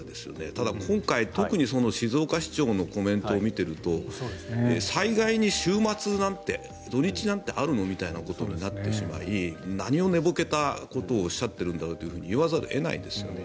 ただ今回、特に静岡市長のコメントを見ていると災害に週末なんて土日なんてあるの？みたいなことになってしまい何を寝ぼけたことをおっしゃっているんだと言わざるを得ないですよね。